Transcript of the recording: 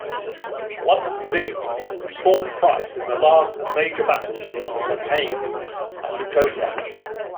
Blunt's division fought Price in the last major battle of the campaign at Newtonia.